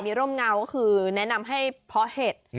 มีร่มเงาก็คือแนะนำให้เพาะเห็ด